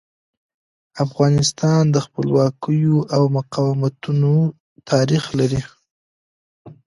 افغانستان د خپلواکیو او مقاومتونو تاریخ لري.